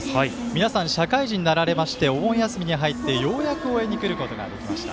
皆さん、社会人になられてお盆休みに入って、ようやく応援に来ることができました。